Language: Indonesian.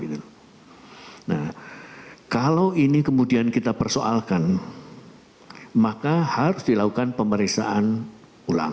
nah kalau ini kemudian kita persoalkan maka harus dilakukan pemeriksaan ulang